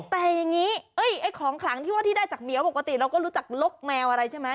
แต่อย่างนี้ไอ้ของขลังที่ว่าที่ได้จากเหมียวปกติเราก็รู้จักลกแมวอะไรใช่ไหม